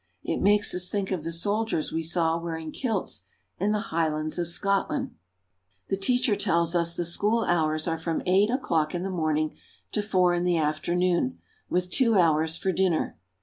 It makes us think of the soldiers we saw wearing kilts in the Highlands of Scotland. 94 FRANCE. The teacher tells us the school hours are from eight o'clock in the morning to four in the afternoon, with two hours for dinner.